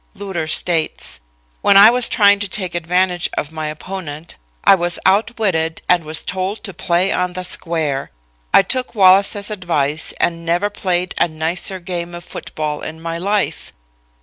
Lueder states: "When I was trying to take advantage of my opponent, I was outwitted and was told to play on the square. I took Wallace's advice and never played a nicer game of football in my life.